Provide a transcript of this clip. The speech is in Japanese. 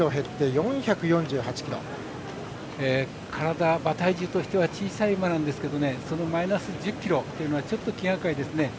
体、馬体重としては小さい馬なんですけどそのマイナス１０ｋｇっていうのはちょっと気がかりですね。